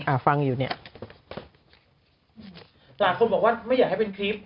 หลากคนบอกว่าไม่อยากให้เป็นทริป